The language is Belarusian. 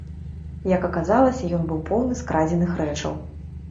Як аказалася, ён быў поўны скрадзеных рэчаў.